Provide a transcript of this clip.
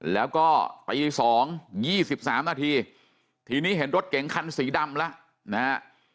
แล้วก็ตี๒๒๓นาทีทีนี้เห็นรถเก๋งคันสีดำแล้วนะฮะ